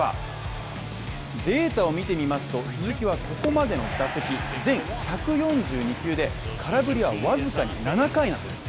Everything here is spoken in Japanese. データを見てみますと、鈴木はここまでの打席、全１４２球で空振りはわずかに７回なんです。